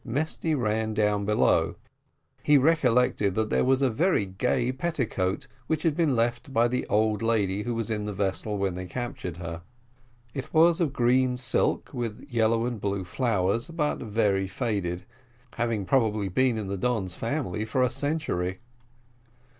Mesty ran down below; he recollected that there was a very gay petticoat, which had been left by the old lady who was in the vessel when they captured her. It was of green silk, with yellow and blue flowers, but very faded, having probably been in the Don's family for a century.